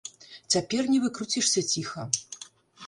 Цяпер не выкруцішся ціха.